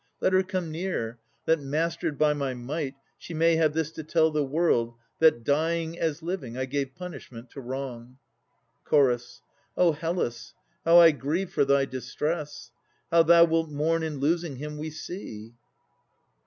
Let her come near, that, mastered by my might, She may have this to tell the world, that, dying, As living, I gave punishment to wrong. CH. O Hellas, how I grieve for thy distress! How thou wilt mourn in losing him we see!